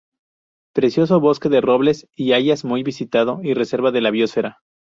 Precioso bosque de robles y hayas, muy visitado y Reserva de la Biosfera.